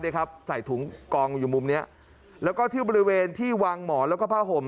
ครับใส่ถุงกองอยู่มุมเนี้ยแล้วก็ที่บริเวณที่วางหมอนแล้วก็ผ้าห่ม